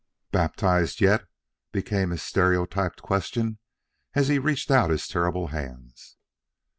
"Baptized yet?" became his stereotyped question, as he reached out his terrible hands.